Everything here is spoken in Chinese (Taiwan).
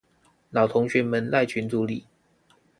老同學們賴群組裡